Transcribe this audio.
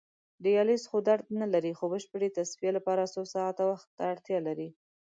دیالیز خوږ نه لري خو بشپړې تصفیې لپاره څو ساعته وخت ته اړتیا لري.